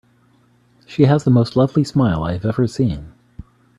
She has the most lovely smile I have ever seen.